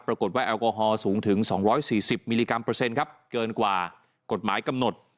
ปรากฏว่าแอลกอฮอลสูงถึง๒๔๐มิลลิกรัมเปอร์เซ็นต์ครับเกินกว่ากฎหมายกำหนด